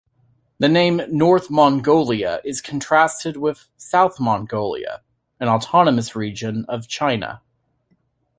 The name "North Mongolia" is contrasted with South Mongolia, an autonomous region of China.